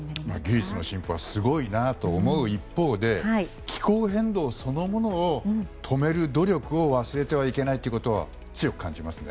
技術の進歩はすごいと思う一方で気候変動そのものを止める努力を忘れてはいけないということを強く感じますね。